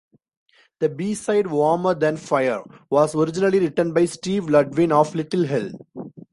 The B-side "Warmer Than Fire" was originally written by Steve Ludwin of Little Hell.